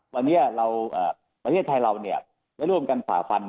วันนี้ประเทศไทยเราเนี่ยได้ร่วมกันสาธารณ์